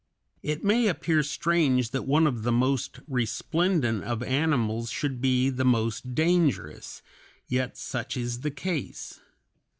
] It may appear strange that one of the most resplendent of animals should be the most dangerous, yet such is the case.